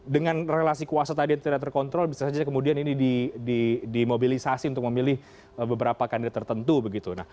dengan relasi kuasa tadi yang tidak terkontrol bisa saja kemudian ini dimobilisasi untuk memilih beberapa kandidat tertentu begitu